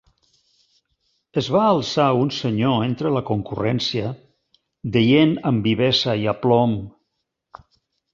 Es va alçar un senyor entre la concurrència, dient amb vivesa i aplom: